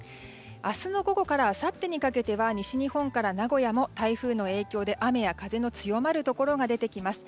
明日の午後からあさってにかけては西日本や名古屋も台風の影響で雨や風の強まるところが出てきます。